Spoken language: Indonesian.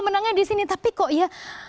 menangnya di sini tapi kok ya